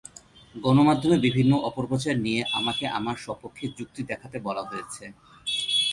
গণমাধ্যমের বিভিন্ন অপপ্রচার নিয়ে আমাকে আমার সপক্ষে যুক্তি দেখাতে বলা হয়েছে।